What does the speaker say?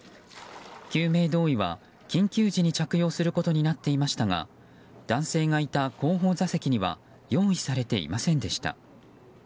救命胴衣は緊急時に着用することになっていましたが男性がいた後方座席には用意されていませんでした。